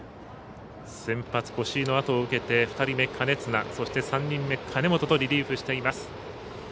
先発、越井のあとを受けて２人目、金綱そして３人目、金本とリリーフしています。